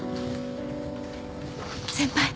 先輩！